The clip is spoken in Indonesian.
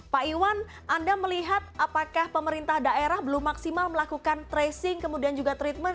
pak iwan anda melihat apakah pemerintah daerah belum maksimal melakukan tracing kemudian juga treatment